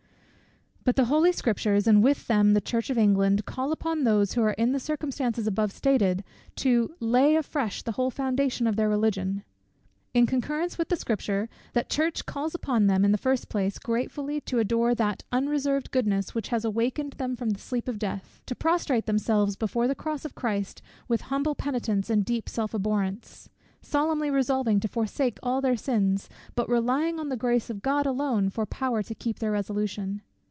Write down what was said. But the holy Scriptures, and with them the Church of England, call upon those who are in the circumstances above stated, to lay afresh the whole foundation of their Religion. In concurrence with the Scripture, that Church calls upon them, in the first place, gratefully to adore that undeserved goodness which has awakened them from the sleep of death; to prostrate themselves before the Cross of Christ with humble penitence and deep self abhorrence; solemnly resolving to forsake all their sins, but relying on the Grace of God alone for power to keep their resolution.